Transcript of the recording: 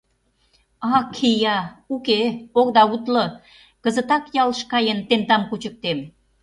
Ак. ия, уке — огыда утло, кызытак ялыш каен, тендам кучыктем!